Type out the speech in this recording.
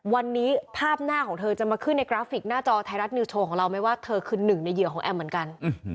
วันนี้ภาพหน้าของเธอจะมาขึ้นในกราฟิกหน้าจอไทยรัฐนิวโชว์ของเราไหมว่าเธอคือหนึ่งในเหยื่อของแอมเหมือนกัน